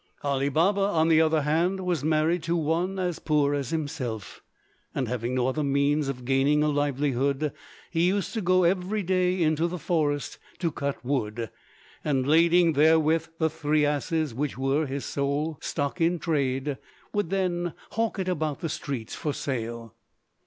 Ali Baba, on the other hand, was married to one as poor as himself, and having no other means of gaining a livelihood he used to go every day into the forest to cut wood, and lading therewith the three asses which were his sole stock in trade, would then hawk it about the streets for sale.